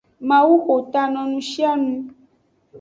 Mawu xo ta no nushianu.